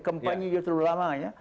kempanye terlalu lama ya